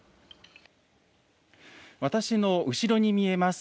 私の後ろに見えます